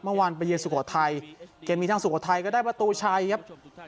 เมื่อวานไปเยือสุโขทัยเกมนี้ทางสุโขทัยก็ได้ประตูชัยครับ